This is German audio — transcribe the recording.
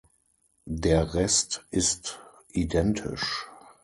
Der Rest ist identisch.